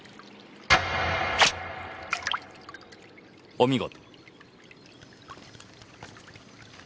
お見事。